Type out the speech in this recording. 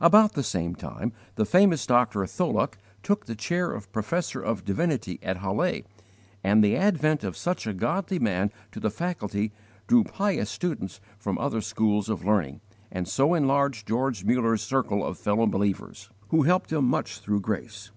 About the same time the famous Dr. Tholuck took the chair of professor of divinity at Halle, and the advent of such a godly man to the faculty drew pious students from other schools of learning, and so enlarged George Mullers circle of fellow believers, who helped him much through grace.